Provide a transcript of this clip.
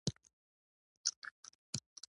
هغه یې د مالیې په توګه ترې اخیستل.